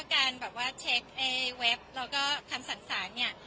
การแบบว่าเช็คเว็บแล้วก็คำสั่งสารเนี่ย